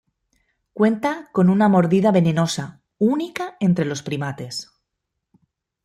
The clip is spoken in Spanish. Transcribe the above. Cuenta con una mordida venenosa, única entre los primates.